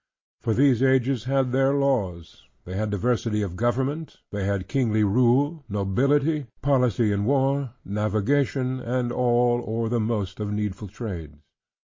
For those ages had their laws; they had diversity of government; they had kingly rule; nobility; policy in war; navigation, and all, or the most of needful trades.